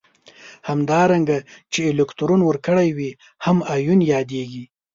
همدارنګه چې الکترون ورکړی وي هم ایون یادیږي.